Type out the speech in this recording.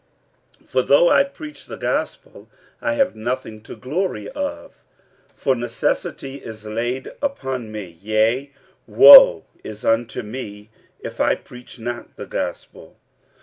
46:009:016 For though I preach the gospel, I have nothing to glory of: for necessity is laid upon me; yea, woe is unto me, if I preach not the gospel!